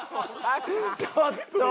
ちょっと！